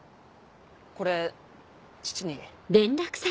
これ父に。